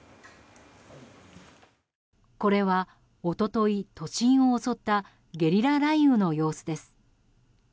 これは一昨日、都心を襲ったゲリラ雷雨の様子です。